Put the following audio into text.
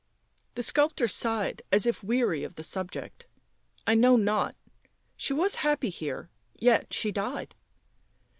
The sculptor sighed, as if weary of the subject. " I know not. She was happy here, yet she died."